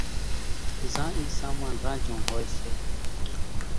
زان اِي سامان رانجھون ھوئي سي۔